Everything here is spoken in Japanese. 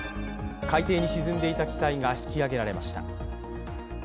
海底に沈んでいた機体が引き揚げられました。